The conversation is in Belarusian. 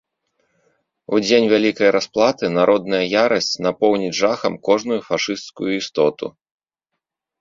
У дзень вялікай расплаты народная ярасць напоўніць жахам кожную фашысцкую істоту.